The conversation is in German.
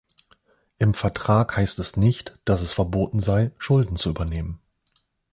Im Vertrag heißt es nicht, dass es verboten sei, Schulden zu übernehmen.